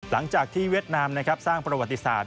หลังจากที่เวียดนามสร้างประวัติศาสตร์